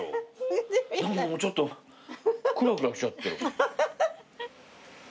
ちょっとクラクラきちゃって。